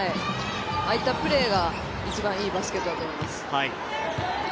ああいったプレーが一番いいバスケットだと思います。